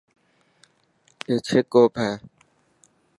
اي ڇهه ڪوپ هي.